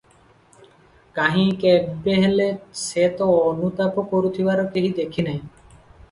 କାହିଁ, କେବେହେଲେ ସେ ତ ଅନୁତାପ କରୁଥିବାର କେହି ଦେଖିନାହିଁ?